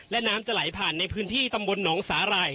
และน้ำจะไหลผ่านในพื้นที่ตำบลหนองสาหร่าย